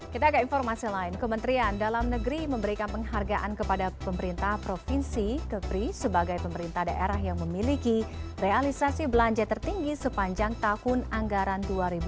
kita ke informasi lain kementerian dalam negeri memberikan penghargaan kepada pemerintah provinsi kepri sebagai pemerintah daerah yang memiliki realisasi belanja tertinggi sepanjang tahun anggaran dua ribu dua puluh